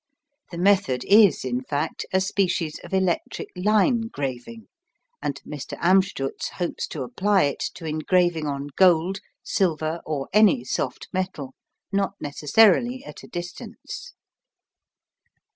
The method is, in fact, a species of electric line graving, and Mr. Amstutz hopes to apply it to engraving on gold, silver, or any soft metal, not necessarily at a distance.